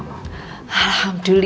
udah ke kamar dulu